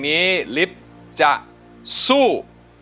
อเรนนี่มันยากสำหรับล้าน